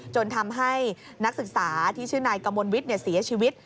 จนทำให้นักศึกษาที่ชื่อนายกมลวิทย์เสียชีวิต